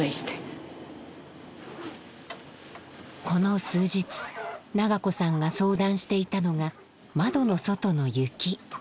この数日伸子さんが相談していたのが窓の外の雪。